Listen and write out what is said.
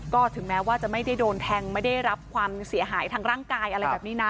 ก็ถึงแม้ว่าจะไม่ได้โดนแทงไม่ได้รับความเสียหายทางร่างกายอะไรแบบนี้นะ